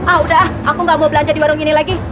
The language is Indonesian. ah udah aku gak mau belanja di warung ini lagi